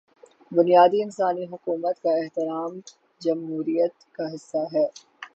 بنیادی انسانی حقوق کا احترام جمہوریت کا حصہ ہے۔